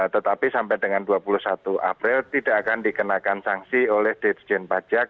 tetapi sampai dengan dua puluh satu april tidak akan dikenakan sanksi oleh dirjen pajak